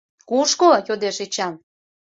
— Кушко? — йодеш Эчан.